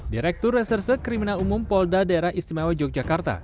direktur reserse kriminal umum polda daerah istimewa yogyakarta